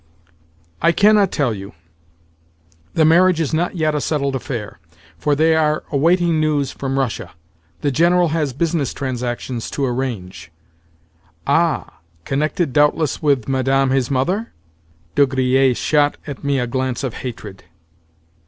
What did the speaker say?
"I cannot tell you. The marriage is not yet a settled affair, for they are awaiting news from Russia. The General has business transactions to arrange." "Ah! Connected, doubtless, with madame his mother?" De Griers shot at me a glance of hatred.